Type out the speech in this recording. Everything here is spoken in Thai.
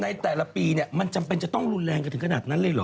ในแต่ละปีเนี่ยมันจำเป็นจะต้องรุนแรงกันถึงขนาดนั้นเลยเหรอ